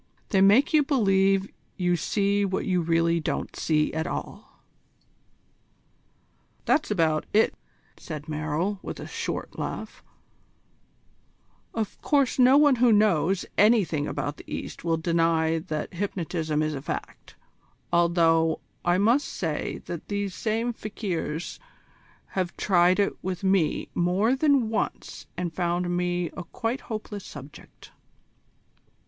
They make you believe you see what you really don't see at all." "That's about it," said Merrill, with a short laugh, "Of course no one who knows anything about the East will deny that hypnotism is a fact, although I must say that these same fakirs have tried it with me more than once and found me a quite hopeless subject."